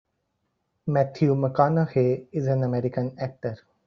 Matthew McConaughey is an American actor.